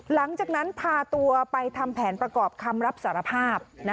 หลังจากนั้นพาตัวไปทำแผนประกอบคำรับสารภาพ